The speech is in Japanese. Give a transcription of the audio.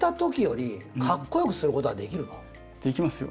できますよ。